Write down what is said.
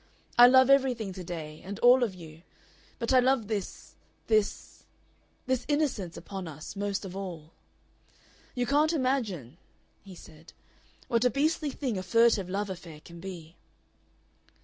I love everything to day, and all of you, but I love this, this this innocence upon us most of all. "You can't imagine," he said, "what a beastly thing a furtive love affair can be.